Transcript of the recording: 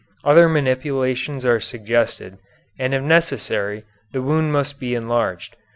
Other manipulations are suggested, and if necessary the wound must be enlarged.